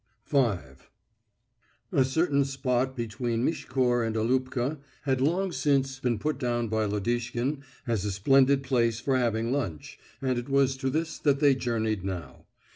V A certain spot between Miskhor and Aloopka had long since been put down by Lodishkin as a splendid place for having lunch, and it was to this that they journeyed now.